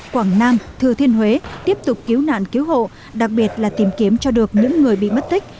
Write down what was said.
quảng nam thừa thiên huế tiếp tục cứu nạn cứu hộ đặc biệt là tìm kiếm cho được những người bị mất tích